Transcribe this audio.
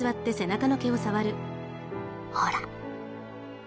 ほら。